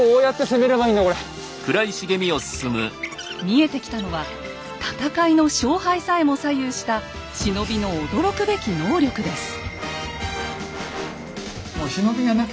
見えてきたのは戦いの勝敗さえも左右した忍びの驚くべき能力です。